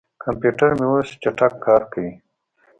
کمپیوټر مې اوس چټک کار کوي.